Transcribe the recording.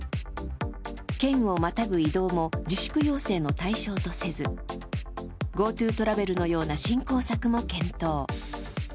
県をまたぐ移動も自粛要請の対象とせず、ＧｏＴｏトラベルのような振興策も検討。